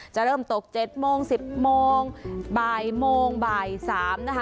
จะเริ่มตก๗โมง๑๐โมงบ่ายโมงบ่าย๓นะคะ